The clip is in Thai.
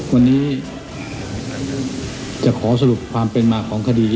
วันนี้จะขอสรุปความเป็นมาของคดี